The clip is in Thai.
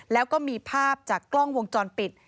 แล้วก็มีภาพจากกล้องวงจรปิด